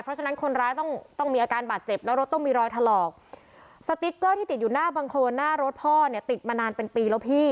เพราะฉะนั้นคนร้ายต้องต้องมีอาการบาดเจ็บแล้วรถต้องมีรอยถลอกสติ๊กเกอร์ที่ติดอยู่หน้าบังโครนหน้ารถพ่อเนี่ยติดมานานเป็นปีแล้วพี่